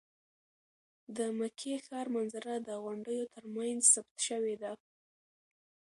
د مکې ښار منظره د غونډیو تر منځ ثبت شوې ده.